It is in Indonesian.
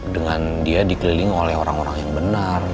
dengan dia dikelilingi oleh orang orang yang benar